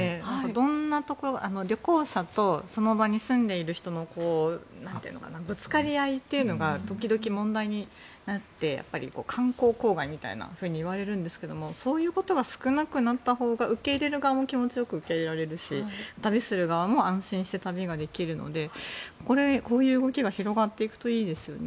どんなところ旅行者とその場に住んでいる人のぶつかり合いというのが時々、問題になって観光公害みたいなふうに言われるんですがそういうことが少なくなったほうが受け入れる側も気持ちよく受け入れられるし旅する側も安心して旅ができるのでこういう動きが広がっていくといいですよね。